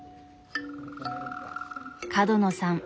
角野さん